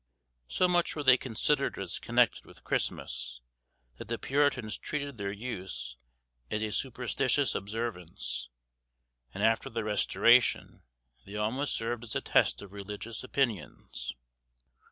So much were they considered as connected with Christmas, that the puritans treated their use as a superstitious observance, and after the Restoration they almost served as a test of religious opinions.